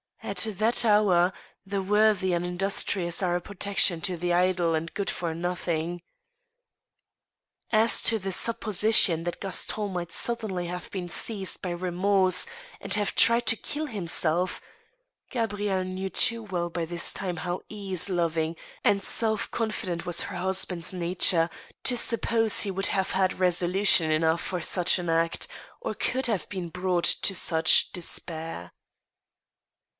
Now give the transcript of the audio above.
At that hour the worthy and" industrious are a protection to the idle and good for nothing. As to the supposition that Gaston might suddenly have been seized by remorse and have tried to kill himself, Gabrielle knew too well by this time how ease loving and self confident was her hus band's nature, to suppose he would have had resolution enough for such an act, or could have been brought to such despair.